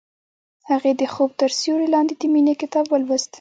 هغې د خوب تر سیوري لاندې د مینې کتاب ولوست.